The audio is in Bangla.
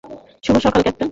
শুভ সকাল, ক্যাপ্টেন।